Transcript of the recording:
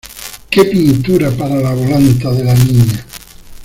¡ qué pintura para la volanta de la Niña!